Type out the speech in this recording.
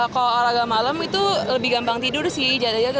kalau olahraga malam itu lebih gampang tidur sih